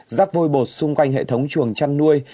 rác vôi bột xung quanh hệ thống chuồng chăn nuôi